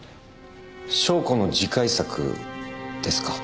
湘子の次回作ですか？